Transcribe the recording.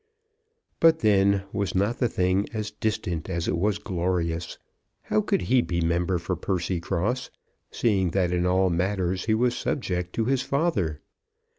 But then, was not the thing as distant as it was glorious? How could he be member for Percycross, seeing that in all matters he was subject to his father?